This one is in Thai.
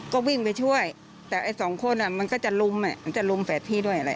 ก็วิ่งไปช่วยแต่ไอ้สองคนมันก็จะลุมมันจะลุมแฝดพี่ด้วยแหละ